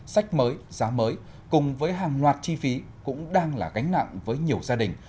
sách mới giá mới cùng với hàng loạt chi phí cũng đang là gánh nặng với nhiều gia đình